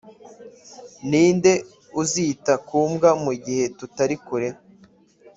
ninde uzita ku mbwa mugihe tutari kure?